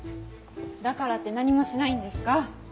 だからって何もしないんですか？